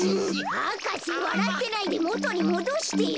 博士わらってないでもとにもどしてよ。